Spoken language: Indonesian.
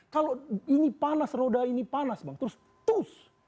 kalau ini panas roda ini panas bang terus tools